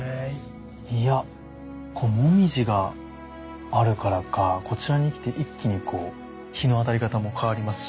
いやもみじがあるからかこちらに来て一気にこう日の当たり方も変わりますし。